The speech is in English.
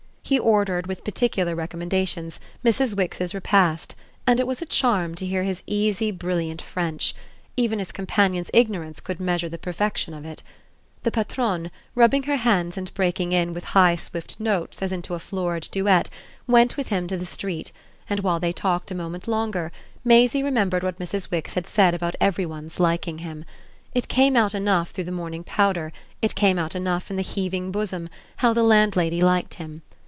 He ordered, with particular recommendations, Mrs. Wix's repast, and it was a charm to hear his easy brilliant French: even his companion's ignorance could measure the perfection of it. The patronne, rubbing her hands and breaking in with high swift notes as into a florid duet, went with him to the street, and while they talked a moment longer Maisie remembered what Mrs. Wix had said about every one's liking him. It came out enough through the morning powder, it came out enough in the heaving bosom, how the landlady liked him.